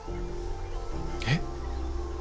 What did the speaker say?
えっ？